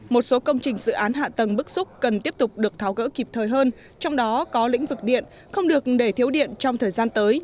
một số công trình dự án hạ tầng bức xúc cần tiếp tục được tháo gỡ kịp thời hơn trong đó có lĩnh vực điện không được để thiếu điện trong thời gian tới